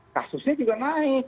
nah kasusnya juga naik